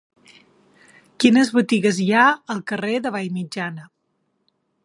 Quines botigues hi ha al carrer de Vallmitjana?